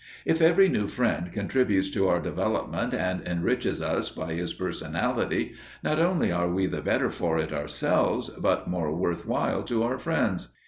If every new friend contributes to our development and enriches us by his personality, not only are we the better for it ourselves, but more worth while to our friends.